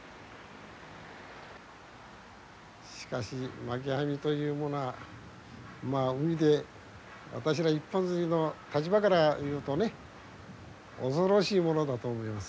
しかしまき網というものはまあ海で私ら一本づりの立場から言うとね恐ろしいものだと思います。